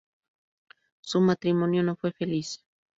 Su matrimonio no fue feliz.